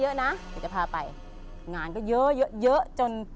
เดี๋ยวจะพาไปงานก็เยอะเยอะจน